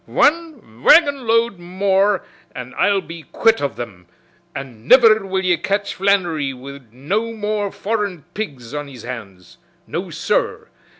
"Wan wagonload more an, I'll be quit of thim, an' niver will ye catch Flannery wid no more foreign pigs on his hands. No, sur!